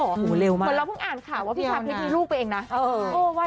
โหเร็วมากเหมือนเราพึ่งอ่านข่าวว่า๓๖ปีพี่ลูกไปเองนะ